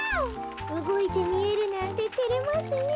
うごいてみえるなんててれますねえ。